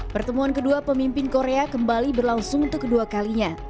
pertemuan kedua pemimpin korea kembali berlangsung untuk kedua kalinya